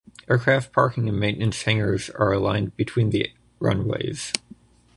Aircraft parking and maintenance hangars are aligned between the runways.